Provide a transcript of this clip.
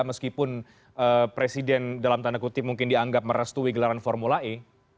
meskipun presiden dalam tanda kutip mungkin dianggap merestui gelaran formula e